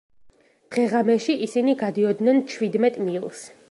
დღე-ღამეში ისინი გადიოდნენ ჩვიდმეტ მილს.